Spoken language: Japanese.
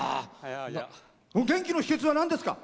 元気の秘けつはなんですか？